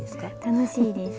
楽しいです。